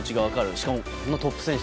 しかもこんなトップ選手。